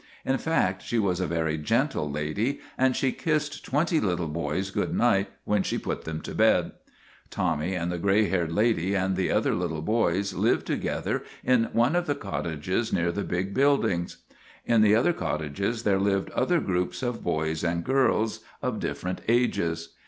In fact, she was a very gentle lady, and she kissed twenty little boys good night when she put them to bed. Tommy and the gray haired lady and the other little boys lived together in one of the cottages near the big buildings. In the other cot MAGINNIS 63 tages there lived other groups of boys and girls of different ages.